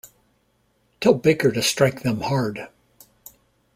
Tell Baker to strike them hard.